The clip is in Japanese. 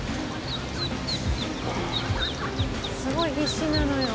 すごい必死なのよ。